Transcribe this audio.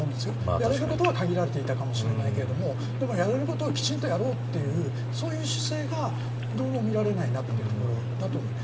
やれることは限られていたかもしれないけれどもやれることをきちっとやろうという、そういう姿勢がどうも見られないなというところだと思います。